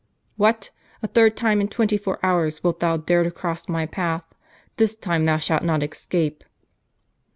"What! a third time in twenty four hours wilt thou dare to cross my path ? This time thou shalt not escape."